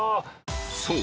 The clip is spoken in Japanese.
［そう。